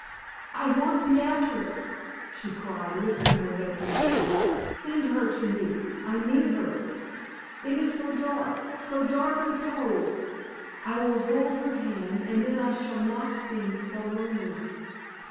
"I want Beatrix!" she cried, lifting her head from the pillow. "Send her to me; I need her. It is so dark so dark and cold! I will hold her hand, and then I shall not be so lonely."